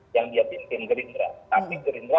yang dia pimpin gerindra tapi gerindra